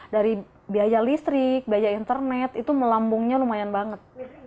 dari biaya listrik biaya internet itu melambungnya lumayan banget